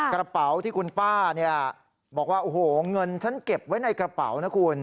กระเป๋าที่คุณป้าเนี่ยบอกว่าโอ้โหเงินฉันเก็บไว้ในกระเป๋านะคุณ